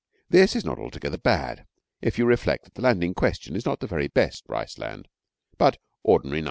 This is not altogether bad if you reflect that the land in question is not the very best rice land, but ordinary No.